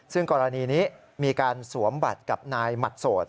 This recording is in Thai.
ซึ่งกรณีนี้มีการสวมบัตรกับนายหมัดโสด